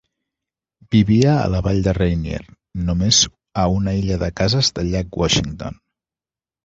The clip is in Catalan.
Vivia a la vall de Rainier, només a una illa de cases del llac Washington.